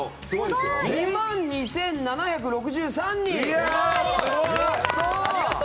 ２万２７６３人！